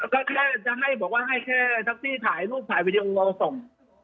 ก็แค่จะให้บอกว่าให้แค่แท็กซี่ถ่ายรูปถ่ายวีดีโอส่ง